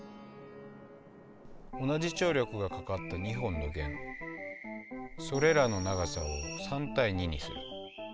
同じ張力がかかった２本の弦それらの長さを３対２にする。